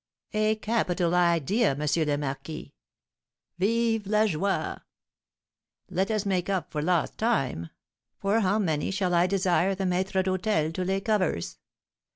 "A capital idea, M. le Marquis. Vive la joie! Let us make up for lost time. For how many shall I desire the maître d'hôtel to lay covers?"